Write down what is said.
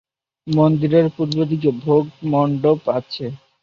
মন্দিরের পূর্বদিকে ভোগ-মণ্ডপ আছে।